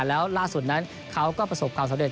แล้วล่าสุดนั้นเขาก็ประสบความสำเร็